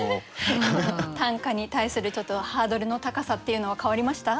短歌に対するちょっとハードルの高さっていうのは変わりました？